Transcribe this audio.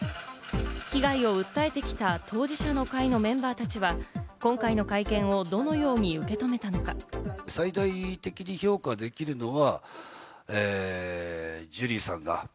被害を訴えてきた当事者の会のメンバーたちは今回の会見をどのように受け止めたのか。などと評価する一方で。